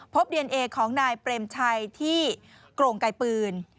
ดีเอนเอของนายเปรมชัยที่โกร่งไกลปืน